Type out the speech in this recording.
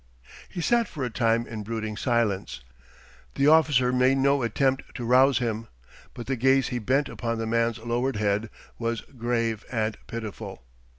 He sat for a time in brooding silence; the officer made no attempt to rouse him, but the gaze he bent upon the man's lowered head was grave and pitiful.